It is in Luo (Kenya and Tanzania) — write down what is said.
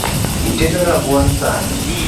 Itedo rabuon sani?